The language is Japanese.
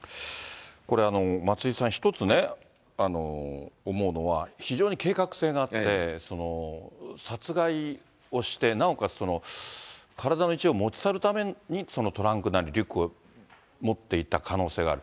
これ、松井さん、一つね、思うのは、非常に計画性があって、殺害をして、なおかつ体の一部を持ち去るために、そのトランクなりリュックを持っていた可能性がある。